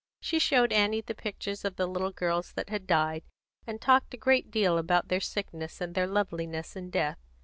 She showed Annie the pictures of the little girls that had died, and talked a great deal about their sickness and their loveliness in death.